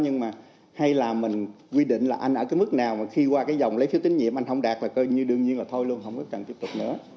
nhưng mà hay là mình quy định là anh ở cái mức nào mà khi qua cái dòng lấy phiếu tín nhiệm anh không đạt là coi như đương nhiên là thôi luôn không có cần tiếp tục nữa